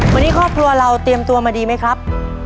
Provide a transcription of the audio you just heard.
วันนี้ครอบครัวเราเตรียมตัวมาดีไหมครับ